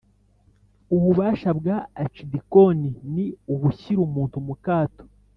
Ububasha bwa Acidikoni ni ubu shyira umuntu mukato